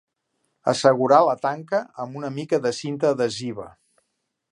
Assegurar la tanca amb una mica de cinta adhesiva.